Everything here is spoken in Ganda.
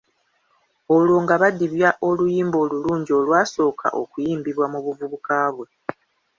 Oolwo nga badibya oluyimba olulungi olwasooka okuyimbibwa mu buvubuka bwe.